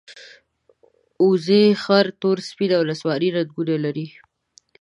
وزې خړ، تور، سپین او نسواري رنګونه لري